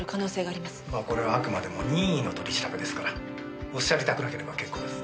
まあこれはあくまでも任意の取り調べですからおっしゃりたくなければ結構です。